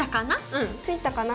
うんついたかな？